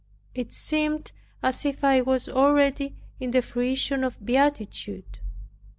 It seemed as if I was already in the fruition of beatitude.